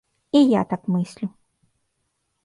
І я так мыслю.